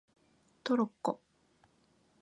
トロッコ